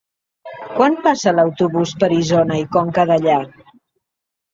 Quan passa l'autobús per Isona i Conca Dellà?